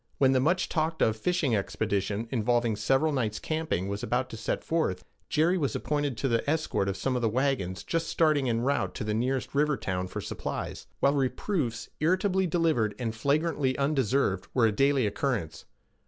When a much talked of fishing expedition, involving several nights' camping, was about to set forth, Jerry was appointed to the escort of some wagons just starting en route to the nearest river town for supplies; while reproofs, irritably delivered and flagrantly undeserved, were a daily occurrence.